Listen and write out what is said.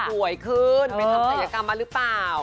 สวยขึ้นไปทำศัยกรรมมาหรือเปล่า